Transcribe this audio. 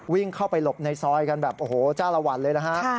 วิ่งเข้าไปหลบในซอยกันแบบโอ้โหจ้าละวันเลยนะฮะ